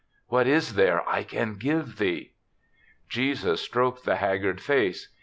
What is there I can give thee?" Jesus stroked the haggard face.